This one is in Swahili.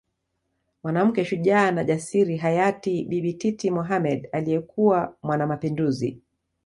Mwanamke shujaa na jasiri hayati Bibi Titi Mohamed aliyekuwa mwanamapinduzi